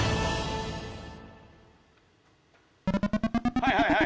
はいはいはい。